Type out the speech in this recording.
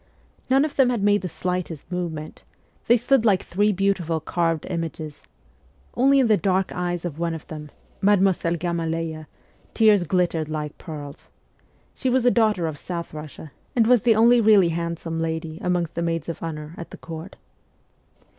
None of them had made the slightest move ment : they stood like three beautiful carved images. Only in the dark eyes of one of them, Mdlle. Gamaleya, tears glittered like pearls. She was a daughter of South Eussia, and was the only really handsome lady amongst the maids of honour at the Court.